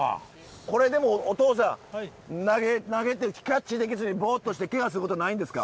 これでもお父さん投げてキャッチできずにぼっとしてケガすることないんですか？